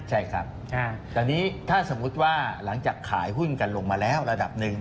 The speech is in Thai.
ใช่ครับตอนนี้ถ้าสมมุติว่าหลังจากขายหุ้นกันลงมาแล้วระดับหนึ่ง